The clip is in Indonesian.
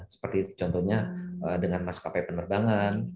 seperti contohnya dengan maskapai penerbangan